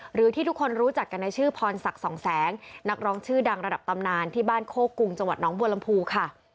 หรือที่ทุกคนรู้จักกันในชื่อพรศักดิ์สองแสงนักร้องชื่อดังระดับตำนานที่บ้านโคกรุงจังหวัดน้องบัวลำพูค่ะ